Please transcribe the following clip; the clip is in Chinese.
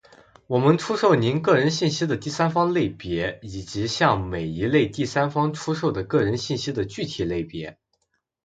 我们出售您个人信息的第三方类别，以及向每一类第三方出售的个人信息的具体类别。